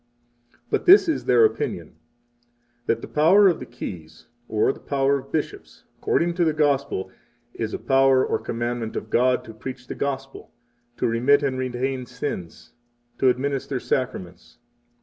5 But this is their opinion, that the power of the Keys, or the power of the bishops, according to the Gospel, is a power or commandment of God, to preach the Gospel, to remit and retain sins, and to administer Sacraments.